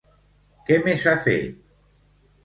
Què més ha fet?